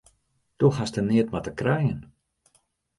Do hast der neat mei te krijen!